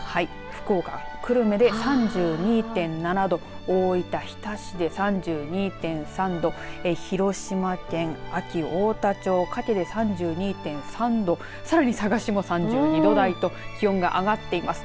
福岡、久留米で３２．７度大分、日田市で３２．３度広島県安芸太田町加計で３２．３度さらに佐賀市も３２度台と気温が上がっています。